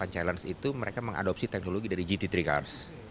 empat ratus delapan puluh delapan challenge itu mereka mengadopsi teknologi dari gt tiga cars